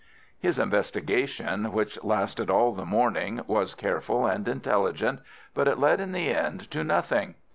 His investigation, which lasted all the morning was careful and intelligent, but it led in the end to nothing.